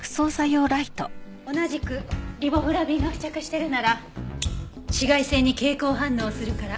同じくリボフラビンが付着してるなら紫外線に蛍光反応するから。